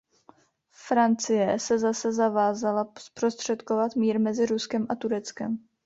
Francie se zase zavázala zprostředkovat mír mezi Ruskem a Tureckem.